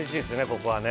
ここはね